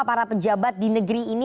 para pejabat di negeri ini